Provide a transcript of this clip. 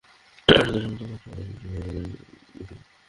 Tornado সমতল ধ্বংস করার বেশি সময় বাকি নেই।